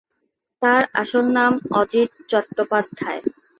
তাঁর আসল নাম অজিত চট্টোপাধ্যায়।